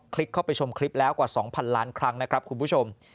เข้าไปชมคลิปแล้วกว่า๒๐๐๐ล้านครั้งนะครับคุณผู้ชม